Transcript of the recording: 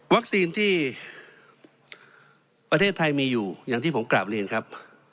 ที่ประเทศไทยมีอยู่อย่างที่ผมกราบเรียนครับ